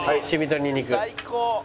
「最高！